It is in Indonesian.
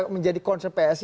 menjadi concern psi